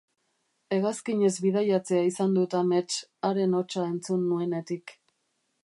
Hegazkinez bidaiatzea izan dut amets, haren hotsa entzun nuenetik.